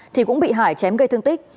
thì cũng bị hải chém gây thương tích